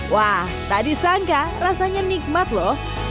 wah tak disangka rasanya nikmat loh